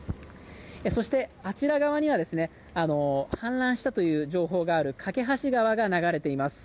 そして、あちら側には氾濫したという情報がある梯川が流れています。